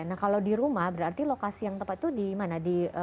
nah kalau di rumah berarti lokasi yang tepat itu di mana